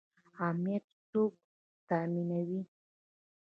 امنیت څوک تامینوي؟